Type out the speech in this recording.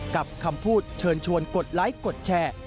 กับคำพูดเชิญชวนกดไลค์กดแชร์